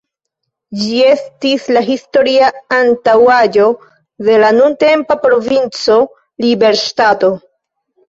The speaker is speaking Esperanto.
Ĝi estis la historia antaŭaĵo de la nuntempa Provinco Liberŝtato.